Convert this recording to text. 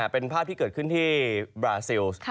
เป็นภาพที่เกิดขึ้นที่บราซิล